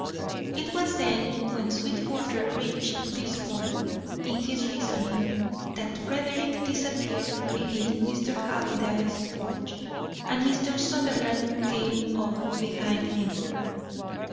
It was when Sweetwater reached this point in his reasoning that Frederick disappeared beneath Mr. Halliday's porch, and Mr. Sutherland came up behind him.